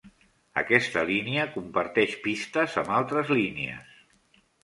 Aquesta línia comparteix pistes amb altres línies.